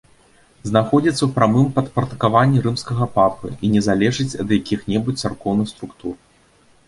Знаходзіцца ў прамым падпарадкаванні рымскага папы і не залежыць ад якіх-небудзь царкоўных структур.